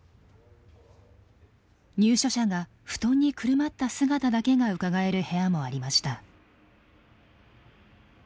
入所者が布団にくるまった姿だけがうかがえる部屋もありました。